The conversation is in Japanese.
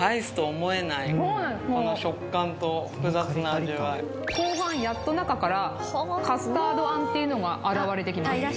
もう後半やっと中からカスタード餡っていうのが現れてきますあっ